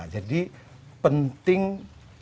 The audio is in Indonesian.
jadi penting ini kalau diperlukan